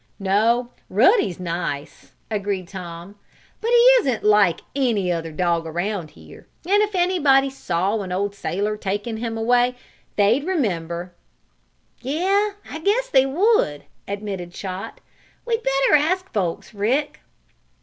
"No, Ruddy is nice," agreed Tom. "But he isn't like any other dog around here, and if anybody saw an old sailor taking him away they'd remember." "Yes, I guess they would," admitted Chot. "We'd better ask folks, Rick."